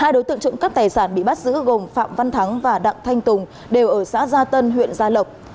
hai đối tượng trộm cắp tài sản bị bắt giữ gồm phạm văn thắng và đặng thanh tùng đều ở xã gia tân huyện gia lộc